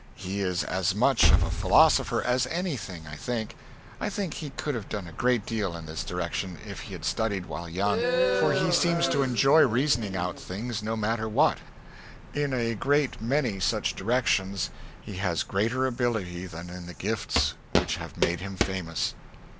He is as much of a Pholosopher as anything I think. I think he could have done a great deal in this direction if he had studied while young, for he seems to enjoy reasoning out things, no matter what; in a great many such directions he has greater ability than in the gifts which have made him famous.